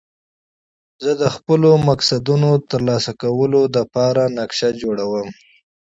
زه د خپلو موخو د ترلاسه کولو له پاره پلان جوړوم.